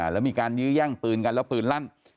แล้วมีการยื้อแย่งปืนกันแล้วปืนลั่น